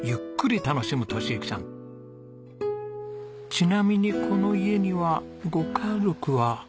ちなみにこの家にはご家族は？